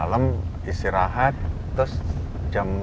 malam istirahat terus jam dua belas malam itu kita masuk ke rumahnya ya pak